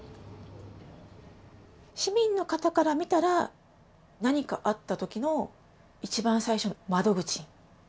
市民の方から見たら何かあった時の一番最初の窓口。